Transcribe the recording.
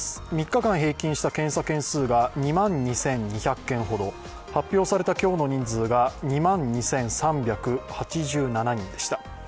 ３日間平均した検査件数は２万２２００件ほど発表された今日の人数が２万２３８７人でした。